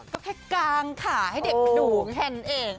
ก็แค่กางขาให้เด็กดูแค่นั้นเอง